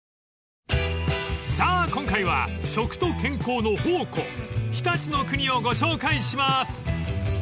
［さあ今回は食と健康の宝庫常陸国をご紹介します］